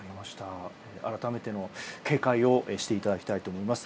改めての警戒をしていただきたいと思います。